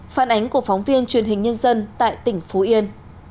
phản ánh của phóng viên truyền hình nhân dân tại tỉnh phú yên